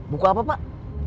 buku apa pak